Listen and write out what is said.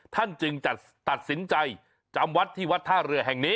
ท่านจึงตัดสินใจจำวัดที่วัดท่าเรือแห่งนี้